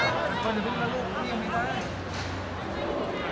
เอาเรื่องต่อไป